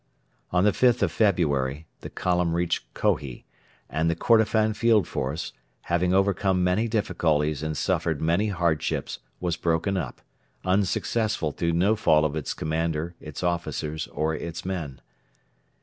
On the 5th of February the column reached Kohi, and the Kordofan Field Force, having overcome many difficulties and suffered many hardships, was broken up, unsuccessful through no fault of its commander, its officers, or its men.